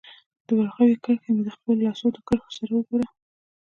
د ورغوي کرښي مي د خپلو لاسونو د کرښو سره وګوره